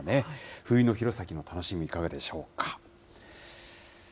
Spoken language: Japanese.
冬の弘前の楽しみ、いかがでしょうか。